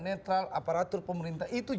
netral aparatur pemerintah itu